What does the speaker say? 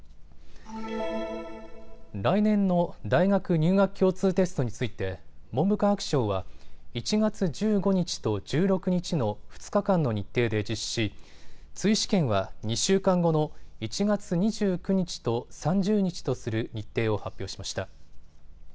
来年の大学入学共通テストについて文部科学省は１月１５日と１６日の２日間の日程で実施し、追試験は２週間後の１月２９日と３０日とする日程を発表しました。